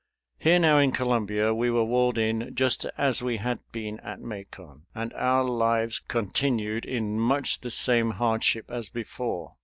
Here now in Columbia we were walled in just as we had been at Macon, and our lives continued in much the same hardship as before.